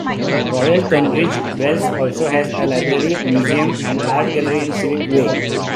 Royal Tunbridge Wells also has a library, museum and art gallery in Civic Way.